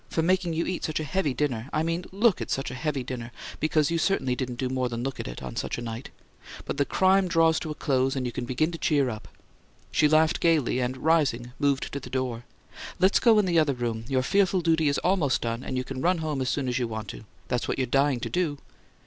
"Making you eat such a heavy dinner I mean LOOK at such a heavy dinner, because you certainly didn't do more than look at it on such a night! But the crime draws to a close, and you can begin to cheer up!" She laughed gaily, and, rising, moved to the door. "Let's go in the other room; your fearful duty is almost done, and you can run home as soon as you want to. That's what you're dying to do."